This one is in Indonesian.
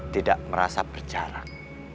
tidak merasa berjarak